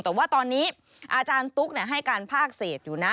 แต่ว่าตอนนี้อาจารย์ตุ๊กให้การภาคเศษอยู่นะ